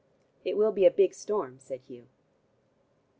"It will be a big storm," said Hugh.